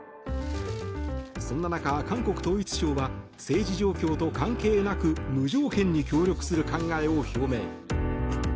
そんな中、韓国統一相は政治状況と関係なく無条件に協力する考えを表明。